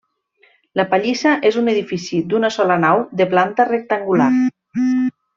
La pallissa és un edifici d'una sola nau de planta rectangular.